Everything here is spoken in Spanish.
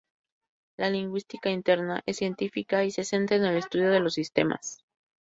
La lingüística "interna" es científica y se centra en el estudio de los sistemas.